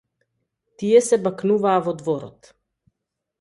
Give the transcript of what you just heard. Тие се бакнуваа во дворот.